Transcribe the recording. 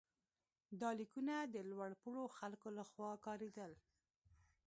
دا لیکونه د لوړ پوړو خلکو لخوا کارېدل.